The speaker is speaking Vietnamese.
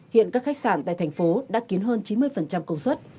hiện các khách sạn tại thành phố đã kín hơn chín mươi công suất